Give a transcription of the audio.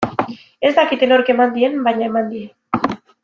Ez dakite nork eman dien, baina eman die.